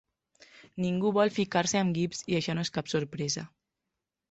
Ningú vol ficar-se amb Gibbs, i això no és cap sorpresa.